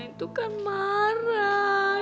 itu kan marah